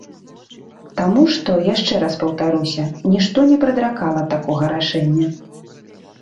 Таму што, яшчэ раз паўтаруся, нішто не прадракала такога рашэння.